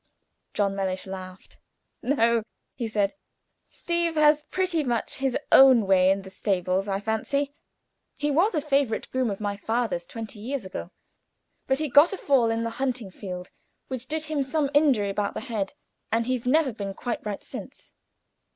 John Mellish laughed. "No," he said; "Steeve has pretty much his own way in the stables, I fancy. He was a favorite groom of my father's twenty years ago; but he got a fall in the hunting field, which did him some injury about the head, and he's never been quite right since.